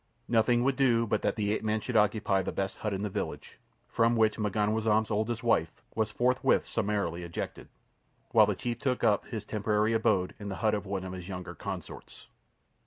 Nothing would do but that the ape man should occupy the best hut in the village, from which M'ganwazam's oldest wife was forthwith summarily ejected, while the chief took up his temporary abode in the hut of one of his younger consorts.